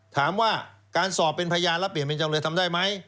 ถามว่าการสอบเป็นพยานแล้วเปลี่ยนเป็นจำเลยทำได้ไหม